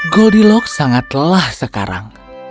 goldilocks sangat lelah sekarang